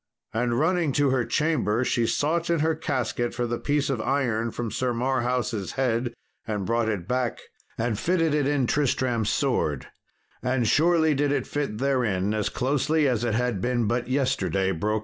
And running to her chamber she sought in her casket for the piece of iron from Sir Marhaus' head and brought it back, and fitted it in Tristram's sword; and surely did it fit therein as closely as it had been but yesterday broke out.